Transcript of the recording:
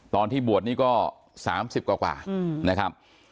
ตอนที่บวชนี่๓๐กว่า